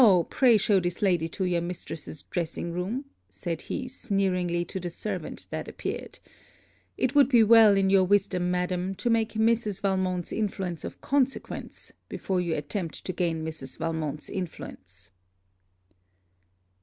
pray show this lady to your mistress's dressing room,' said he, sneeringly, to the servant that appeared. 'It would be well in your wisdom, madam, to make Mrs. Valmont's influence of consequence before you attempt to gain Mrs. Valmont's influence.'